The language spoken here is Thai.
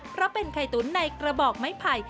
เพราะเป็นไข่ตุ๋นในกระบอกไม้ไผ่